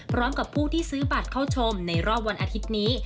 พร้อมกับผู้ที่ซื้อบัตรเข้าชมในรอบวันอาทิตย์นี้